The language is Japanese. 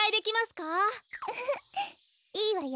ウフフいいわよ。